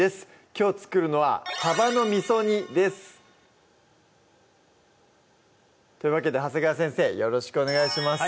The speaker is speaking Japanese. きょう作るのは「さばの味煮」ですというわけで長谷川先生よろしくお願いします